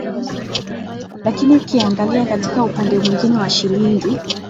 lakini ukiangalia katika upande mwingine wa shilingi